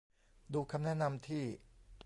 ดูคำแนะนำที่